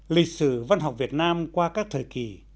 lịch sử văn học việt nam qua các thời kỳ